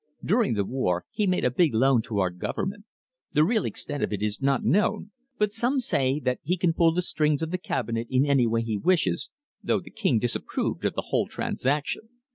During the war he made a big loan to our Government. The real extent of it is not known, but some say that he can pull the strings of the Cabinet in any way he wishes, though the King disapproved of the whole transaction.